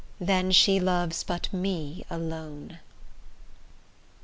then she loves but me alone.